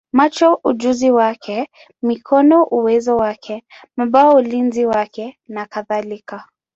macho ujuzi wake, mikono uwezo wake, mabawa ulinzi wake, nakadhalika.